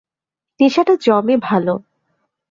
নেশাটা জমে ভালো।